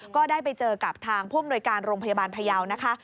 ก็ได้ไปเจอกับทางผู้อำนวยการโรงพยาบาลพยาวนะคะ